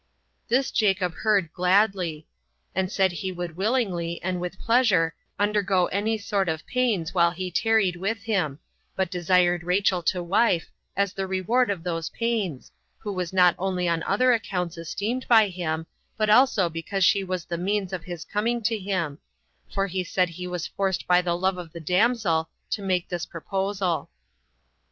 This Jacob heard gladly; and said he would willingly, and with pleasure, undergo any sort of pains while he tarried with him, but desired Rachel to wife, as the reward of those pains, who was not only on other accounts esteemed by him, but also because she was the means of his coming to him; for he said he was forced by the love of the damsel to make this proposal.